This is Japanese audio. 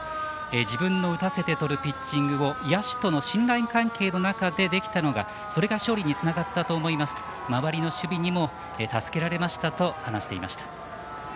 自分の打たせてとるピッチングを野手との信頼関係の中でできたのが、それが勝利につながったと思いますと周りの守備にも助けられましたと話していました。